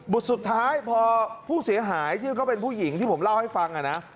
สุดท้ายพอผู้เสียหายซึ่งก็เป็นผู้หญิงที่ผมเล่าให้ฟังนะ